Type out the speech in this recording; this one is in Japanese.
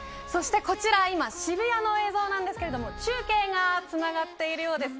こちら今渋谷の映像なんですけれども中継がつながっているようです。